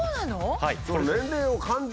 はい。